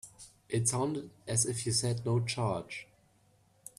It sounded as if you said no charge.